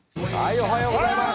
おはようございます。